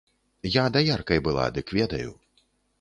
Я даяркай была, дык ведаю.